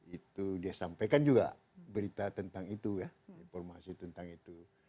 itu dia sampaikan juga berita tentang itu ya informasi tentang itu